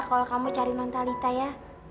kalau kamu cari nontalita ya